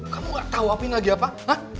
kamu gak tau apain lagi ya pak